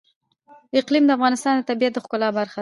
اقلیم د افغانستان د طبیعت د ښکلا برخه ده.